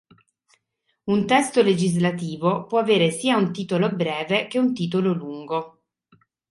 Un testo legislativo può avere sia un titolo breve che un titolo lungo.